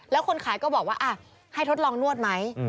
แล้วคนขายก็บอกว่าให้ทดลองนวดไหม